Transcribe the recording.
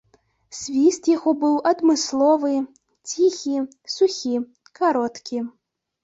Свіст яго быў адмысловы, ціхі, сухі, кароткі.